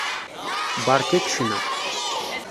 Beṛka-k ccna.